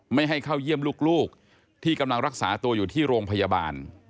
ไม่ให้เข้าเยี่ยมลูกที่กำลังรักษาตัวอยู่ที่โรงพยาบาล